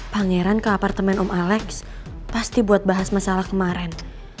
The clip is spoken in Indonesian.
pangeran ke apartemen om alex pasti buat bahas masalah kemarin